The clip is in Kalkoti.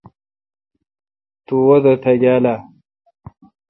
تو وادہ تیاگال اہ؟